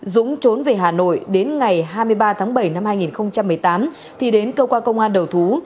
dũng trốn về hà nội đến ngày hai mươi ba tháng bảy năm hai nghìn một mươi tám thì đến cơ quan công an đầu thú